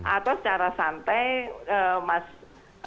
atau secara santai mas